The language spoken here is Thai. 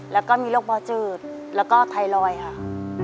แล้วก็มีโรคบอจืดแล้วก็ไทรอยด์ค่ะ